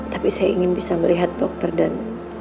tapi saya ingin bisa melihat dokter dan